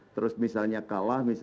terus misalnya kalah